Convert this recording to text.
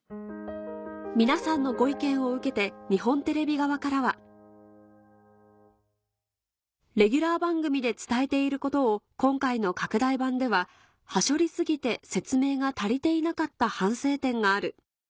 皆さんのご意見を受けて日本テレビ側からは「レギュラー番組で伝えていることを今回の拡大版でははしょり過ぎて説明が足りていなかった反省点がある」